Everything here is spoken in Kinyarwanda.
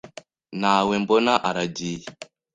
Nta we mbona aragiye